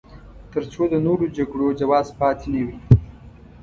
تر څو د نورو جګړو جواز پاتې نه وي.